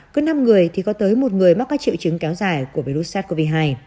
cứ năm người thì có tới một người mắc các triệu chứng kéo dài của virus sars cov hai